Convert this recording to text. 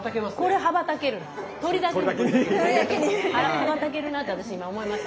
羽ばたけるなって私今思いました。